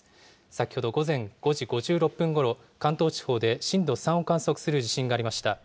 先ほど午前５時５６分ごろ、関東地方で震度３を観測する地震がありました。